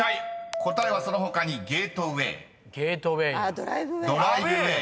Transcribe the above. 答えはその他に「ゲートウェイ」］「ドライブウェー」！